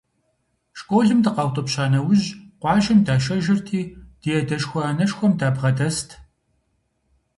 Школым дыкъаутӀыпща нэужь, къуажэм дашэжырти, ди адэшхуэ-анэшхуэм дабгъэдэст.